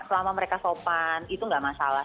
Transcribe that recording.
selama mereka sopan itu nggak masalah